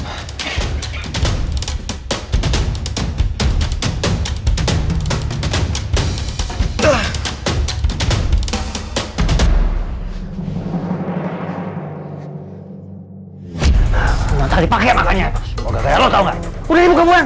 udah di buka